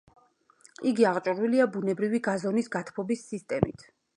იგი აღჭურვილია ბუნებრივი გაზონის გათბობის სისტემით.